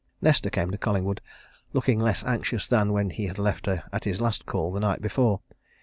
Nesta came to Collingwood looking less anxious than when he had left her at his last call the night before.